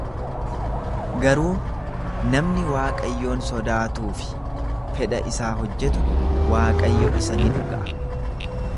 Garuu namni Waaqayyoon sodaatuu fi fedha isaa hojjetu, Waaqayyo isa ni dhaga'a.